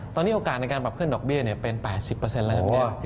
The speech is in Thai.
ตอนนี้โอกาสในการปรับขึ้นดอกเบี้ยเป็น๘๐เลยนะครับ